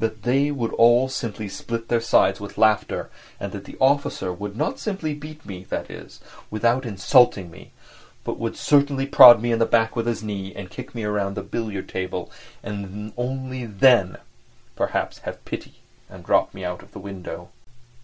that they would all simply split their sides with laughter, and that the officer would not simply beat me, that is, without insulting me, but would certainly prod me in the back with his knee, kick me round the billiard table, and only then perhaps have pity and drop me out of the window.